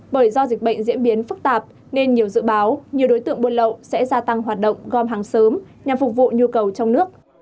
bởi do dịch bệnh diễn biến phức tạp nên nhiều dự báo nhiều đối tượng buôn lậu sẽ gia tăng hoạt động gom hàng sớm nhằm phục vụ nhu cầu trong nước